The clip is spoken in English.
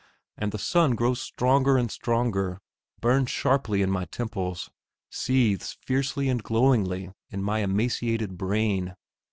And the sun grows stronger and stronger, burns sharply in my temples, seethes fiercely and glowingly in my emaciated brain.